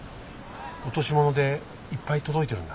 落とし物でいっぱい届いてるんだ。